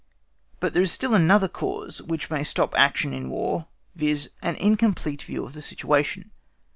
But there is still another cause which may stop action in War, viz., an incomplete view of the situation.